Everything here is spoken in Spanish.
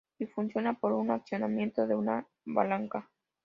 Y funciona por un accionamiento de una palanca.